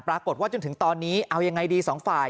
ปรากฏว่าจนถึงตอนนี้เอายังไงดี๒ฝ่าย